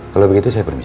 kalau begitu saya permisi